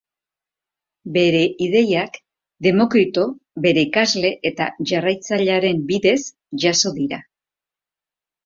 Bere ideiak Demokrito bere ikasle eta jarraitzailearen bidez jaso dira.